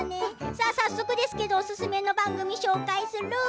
早速ですけどおすすめの番組、紹介する。